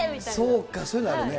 そうか、そういうのあるね。